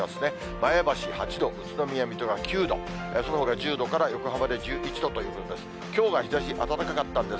前橋８度、宇都宮、水戸が９度、そのほか１０度から横浜で１１度ということです。